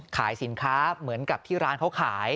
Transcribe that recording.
ขายสินค้าเหมือนกับที่ร้านเขาขาย